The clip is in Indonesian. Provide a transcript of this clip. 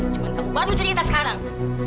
cuma kamu baru cerita sekarang